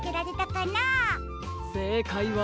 せいかいは。